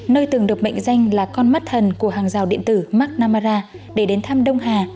nơi từng được mệnh danh là con mắt thần của hàng rào điện tử marknamara để đến thăm đông hà